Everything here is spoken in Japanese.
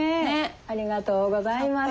ありがとうございます。